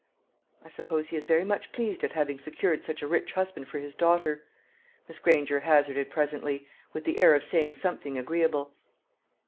"I suppose he is very much pleased at having secured such a rich husband for his daughter," Miss Granger hazarded presently, with the air of saying something agreeable.